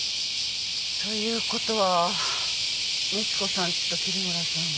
ということは美知子さんと桐村さんは。